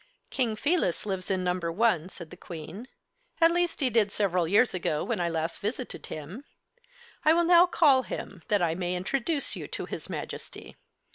"King Felis lives in number 1," said the Queen. "At least, he did several years ago when I last visited him. I will now call him, that I may introduce you to his Majesty."